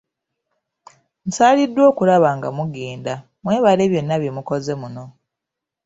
Nsaaliddwa okulaba nga mugenda, mwebale byonna bye mukoze muno.